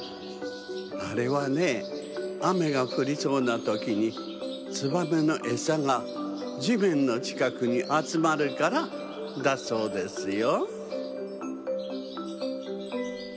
あれはねあめがふりそうなときにツバメのえさがじめんのちかくにあつまるからだそうですよ。